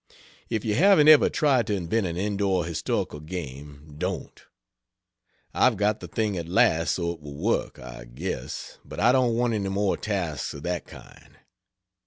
If you haven't ever tried to invent an indoor historical game, don't. I've got the thing at last so it will work, I guess, but I don't want any more tasks of that kind.